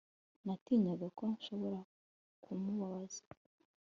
Natinyaga ko nshobora kumubabaza